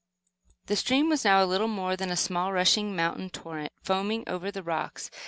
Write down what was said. The stream was now little more than a small rushing mountain torrent, foaming over the rocks.